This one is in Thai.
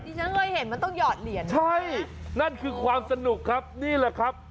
ฉันเคยเห็นมันต้องหอดเหรียญใช่นั่นคือความสนุกครับนี่แหละครับ